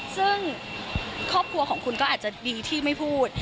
ซึ่งครอบครัวของคุณก็อาจจะดีที่ไม่พูด